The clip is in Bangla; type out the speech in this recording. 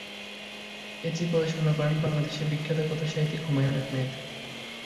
এটি পরিচালনা করেন বাংলাদেশের বিখ্যাত কথাসাহিত্যিক হুমায়ূন আহমেদ।